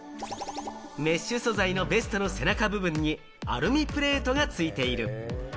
メッシュ素材のベストの背中部分にアルミプレートがついている。